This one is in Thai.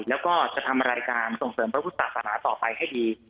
แล้วก็จะทำรายการส่งเสริมพระพุทธศาสนาต่อไปให้ดี